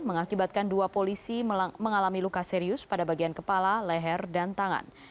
mengakibatkan dua polisi mengalami luka serius pada bagian kepala leher dan tangan